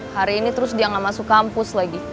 hari ini terus dia nggak masuk kampus lagi